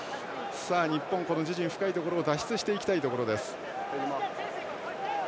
日本、深い自陣を脱出していきたいところです。